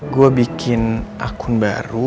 gue bikin akun baru